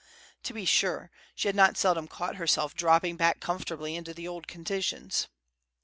To be sure, she not seldom caught herself dropping back comfortably into the old conditions.